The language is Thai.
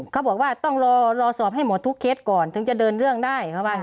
เขาบอกว่าต้องรอสอบให้หมดทุกเคสก่อนถึงจะเดินเรื่องได้